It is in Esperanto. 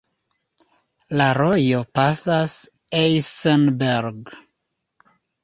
La rojo pasas Eisenberg.